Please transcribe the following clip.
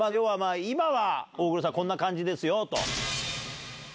今は大黒さんこんな感じですよ。